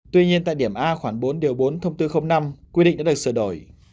tuy nhiên tại điểm a khoảng bốn điều bốn thông tư năm quy định đã được sửa đổi